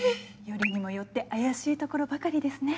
よりにもよって怪しいところばかりですね。